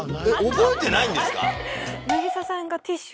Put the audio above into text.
覚えてないんですか？